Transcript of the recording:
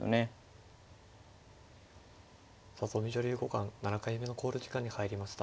里見女流五冠７回目の考慮時間に入りました。